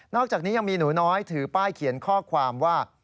อกจากนี้ยังมีหนูน้อยถือป้ายเขียนข้อความว่า